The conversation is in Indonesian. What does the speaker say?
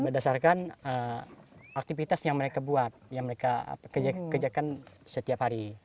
berdasarkan aktivitas yang mereka buat yang mereka kerjakan setiap hari